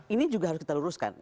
ini juga harus kita luruskan